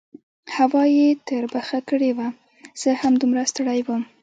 هوا یې تربخه کړې وه، زه هم دومره ستړی وم.